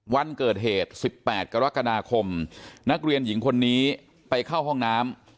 วันเกิดเหตุ๑๘กรกฎาคมนักเรียนหญิงคนนี้ไปเข้าห้องน้ำ